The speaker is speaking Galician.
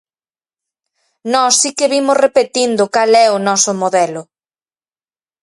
Nós si que vimos repetindo cal é o noso modelo.